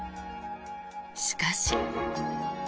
しかし。